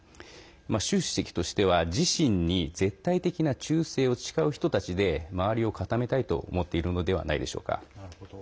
習主席としては自身に絶対的な忠誠を誓う人たちで周りを固めたいと思っているのではないでしょうか。